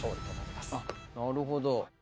なるほど。